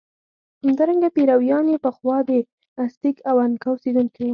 همدارنګه پیرویان چې پخوا د ازتېک او انکا اوسېدونکي وو.